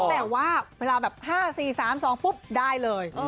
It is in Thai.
แต่ว่าเวลาแบบ๕๔๓๒ปุ๊บได้เลย